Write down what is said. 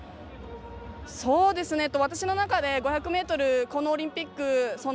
私の中で５００ｍこのオリンピック。